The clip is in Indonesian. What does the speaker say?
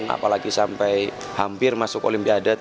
apalagi sampai hampir masuk olimpiade